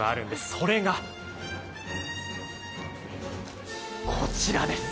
それがこちらです。